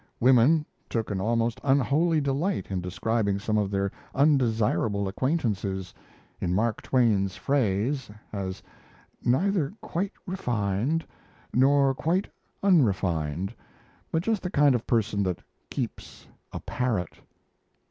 Women took an almost unholy delight in describing some of their undesirable acquaintances, in Mark Twain's phrase, as neither quite refined, nor quite unrefined, but just the kind of person that keeps a parrot!